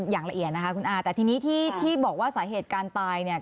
อย่างละเอียดนะคะคุณอาแต่ทีนี้ที่บอกว่าสาเหตุการตายเนี่ย